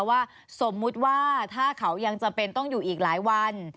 ว่าสมมุติว่าถ้าเขายังจำเป็นต้องอยู่อีกหลายวัน